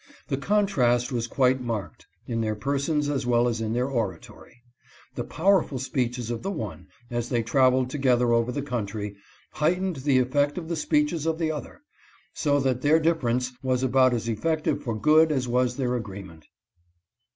The contrast was quite marked in their persons as well as in their oratory. The powerful speeches of the one, as they traveled together over the country, heightened the effect of the speeches of the other, so that their difference was about as effective for good as was their agreement.